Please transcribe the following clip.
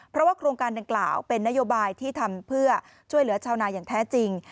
เพราะว่าโครงการดังกล่าวเป็นนโยบายที่ทำเพื่อช่วยเหลือชาวนาอย่างแท้จริง